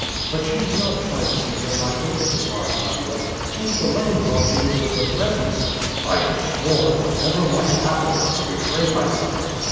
"But you did not try to see her, Michael," replied Nadia. "Chance alone brought you into her presence." "I had sworn, whatever might happen, not to betray myself."